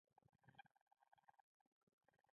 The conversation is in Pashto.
ایا زه باید د مالټې جوس وڅښم؟